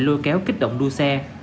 lôi kéo kích động đua xe